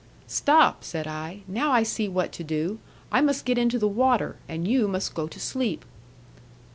'Stop,' said I; 'now I see what to do. I must get into the water, and you must go to sleep.'